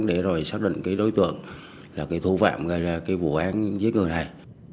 để rồi xác định đối tượng là thủ phạm gây ra vụ án giết người này